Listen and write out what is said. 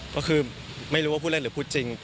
ก็คือไม่รู้ว่าพูดเล่นหรือพูดจริง